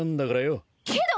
けど！